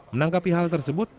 menanggapi hal tersebut